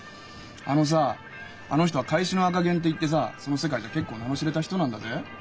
あのさあの人は「返しの赤ゲン」っていってさその世界じゃ結構名の知れた人なんだぜ。